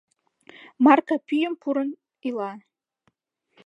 Марка пӱйым пурын ила...